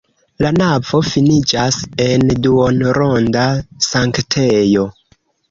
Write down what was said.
La navo finiĝas en duonronda sanktejo.